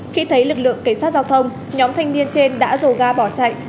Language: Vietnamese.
khi thấy lực lượng kiến sát giao thông nhóm thanh niên trên đã rồ ga bỏ chạy